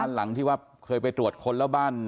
หลังที่ว่าเคยไปตรวจค้นแล้วบ้าน